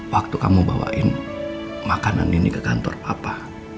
waktu kamu bawain makanan ini ke kantor apa